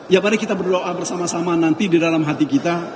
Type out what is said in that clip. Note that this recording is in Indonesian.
ya mari kita berdoa bersama sama nanti di dalam hati kita